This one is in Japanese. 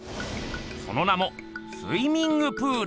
その名も「スイミング・プール」！